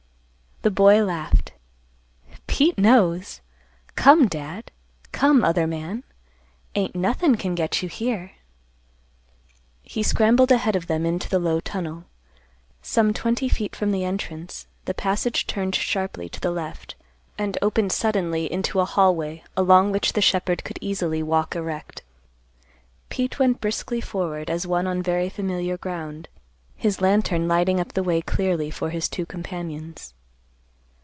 The boy laughed, "Pete knows. Come, Dad. Come, other man. Ain't nothin' can get you here." He scrambled ahead of them into the low tunnel. Some twenty feet from the entrance, the passage turned sharply to the left and opened suddenly into a hallway along which the shepherd could easily walk erect. Pete went briskly forward as one on very familiar ground, his lantern lighting up the way clearly for his two companions.